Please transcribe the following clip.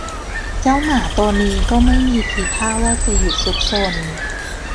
เจ้าหมาตัวนี้ก็ไม่มีทีท่าว่าจะหยุดซุกซน